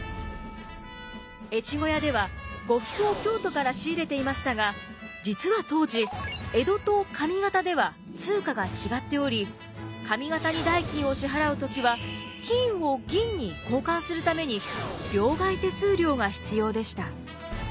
越後屋では呉服を京都から仕入れていましたが実は当時江戸と上方では通貨が違っており上方に代金を支払う時は金を銀に交換するために両替手数料が必要でした。